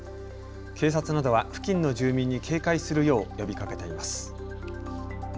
警察などは付近の住民に警戒するよう呼びかけています。